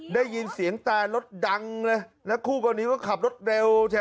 ได้ยินเสียงแตรรถดังเลยนะคู่กรณีก็ขับรถเร็ว